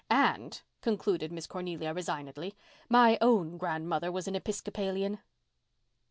And," concluded Miss Cornelia resignedly, "my own grandmother was an Episcopalian."